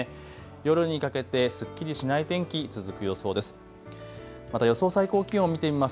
夜にかけてすっきりしない天気、続く予想です。